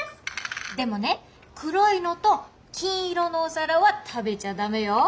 でもね黒いのと金色のお皿は食べちゃダメよ。